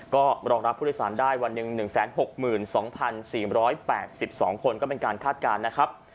ก็รองรับผู้โดยสารได้วันหนึ่ง๑๖๒๔๘๒คนก็เป็นการคาดการณ์นะครับ